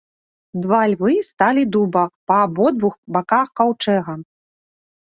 Два львы сталі дуба па абодвух баках каўчэга.